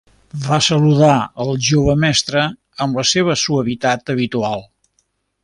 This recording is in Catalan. Va saludar el jove mestre amb la seva suavitat habitual.